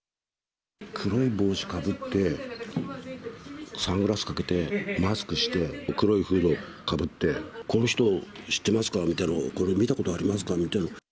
黒い帽子かぶって、サングラスかけて、マスクして、黒いフードかぶって、この人知ってますか、見たことありますかみたいな。